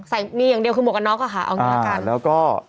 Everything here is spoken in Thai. ใส่มีอย่างเดียวคือหมวกกันน็อกอะค่ะเอาเหนือกันอ่าแล้วก็